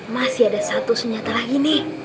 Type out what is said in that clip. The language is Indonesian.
masih ada satu senjata lagi nih